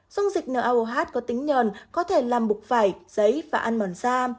dung dịch noh có tính nhờn có thể làm bục vải giấy và ăn mòn da